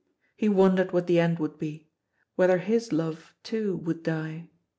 He wondered what the end would be whether his love, too, would die.